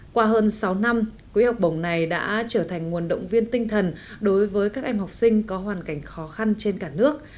qua hơn sáu năm quỹ học bổng này đã trở thành nguồn động viên tinh thần đối với các em học sinh có hoàn cảnh khó khăn trên cả nước